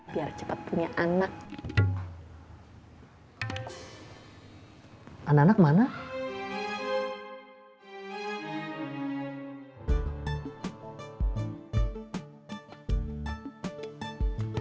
biar ketemu kang sudirman tiap hari